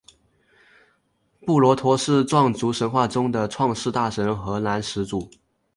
布洛陀是壮族神话中的创世大神和男始祖。